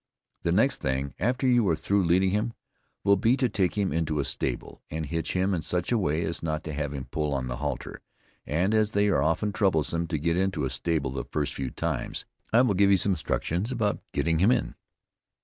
The next thing, after you are through leading him, will be to take him into a stable, and hitch him in such a way as not to have him pull on the halter, and as they are often troublesome to get into a stable the first few times, I will give you some instructions about getting him in.